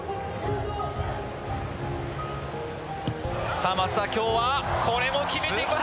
さあ松田、きょうは、これも決めてきた！